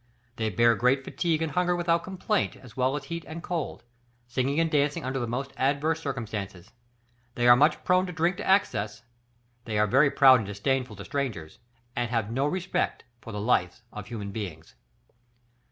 They bear great fatigue and hunger without complaint, as well as heat and cold, singing and dancing under the most adverse circumstances. They are much prone to drink to excess; they are very proud and disdainful to strangers, and have no respect for the lives of human beings."